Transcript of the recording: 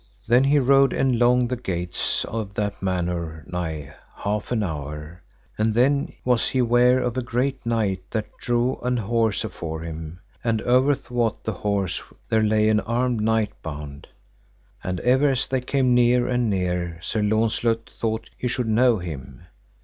Then he rode endlong the gates of that manor nigh half an hour. And then was he ware of a great knight that drove an horse afore him, and overthwart the horse there lay an armed knight bound. And ever as they came near and near, Sir Launcelot thought he should know him.